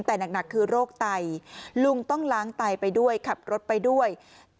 แต่หนักคือโรคไตลุงต้องล้างไตไปด้วยขับรถไปด้วย